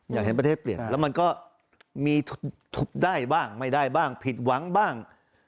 อยากเห็นประเทศเปลี่ยนแล้วมันก็มีทุบได้บ้างไม่ได้บ้างผิดหวังบ้าง